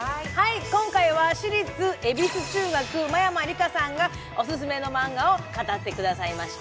今回は私立恵比寿中学・真山りかさんがオススメのマンガを語ってくれました。